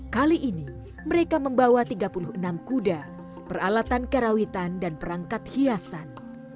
kali ini mereka membawa tiga puluh enam kuda peralatan karawitan dan perangkat hiasan